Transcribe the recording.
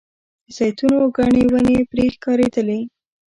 د زیتونو ګڼې ونې پرې ښکارېدلې.